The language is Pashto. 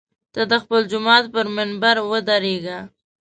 ته د خپل جومات پر منبر ودرېږه.